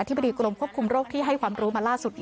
บดีกรมควบคุมโรคที่ให้ความรู้มาล่าสุดนี้